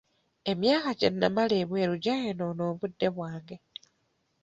Emyaka gye namala ebweru gyayonoona obudde bwange.